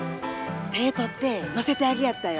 手ぇ取って乗せてあげやったよ。